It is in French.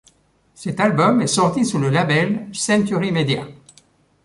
Cet album est sorti sous le label Century Media.